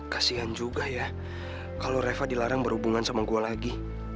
kasian juga ya kalau reva dilarang berhubungan sama gue lagi